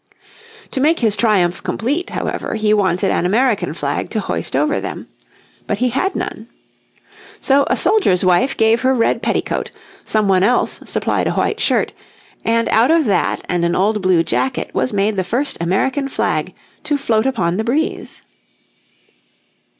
To make his triumph complete, however, he wanted an American flag to hoist over them. But he had none. So a soldier's wife gave her red petticoat, some one else supplied a white shirt, and out of that and an old blue jacket was made the first American flag to float upon the breeze.